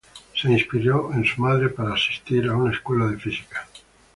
Se inspiró en su madre para asistir a una escuela de física.